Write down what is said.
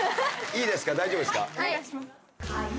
いいですか大丈夫ですか？